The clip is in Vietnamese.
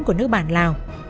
của nước bản lào